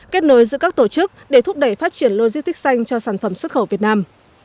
kết nối giữa các tổ chức để thúc đẩy phát triển logistics xanh cho sản phẩm xuất khẩu việt nam